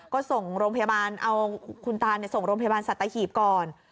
ก็ส่งโรงพยาบาลเอาคุณตาส่งโรงพยาบาลสัตหีบก่อน